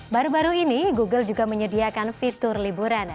baru baru ini google juga menyediakan fitur liburan